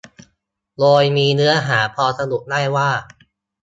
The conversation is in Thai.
โดยมีเนื้อหาพอสรุปได้ว่า